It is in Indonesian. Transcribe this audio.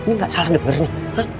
ini gak salah denger nih